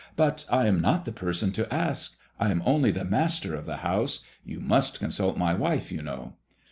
" But I am not the person to ask. I am only the master of the house. You must consult my wife, you know."